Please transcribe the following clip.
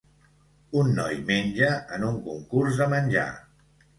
Un noi menja en un concurs de menjar.